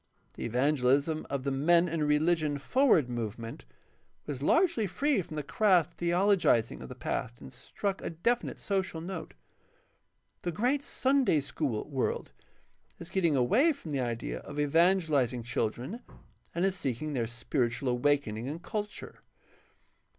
The evangelism of the Men and Religion Forward Movement was largely free from the crass theologizing of the past and struck a definite social note. The great Sunday school world is getting away from the idea of evangelizing children and is seeking their spiritual awaken ing and culture.